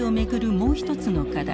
もう一つの課題